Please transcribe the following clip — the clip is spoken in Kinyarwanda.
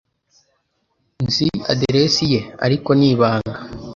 Nzi aderesi ye, ariko ni ibanga.